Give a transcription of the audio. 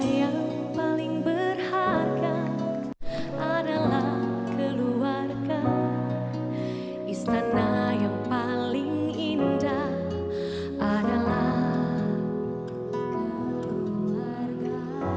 ya keluarga adalah keluarga